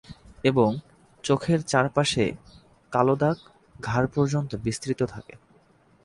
এবং চোখের চারপাশে কালো দাগ ঘাড় পর্যন্ত বিস্তৃত থাকে।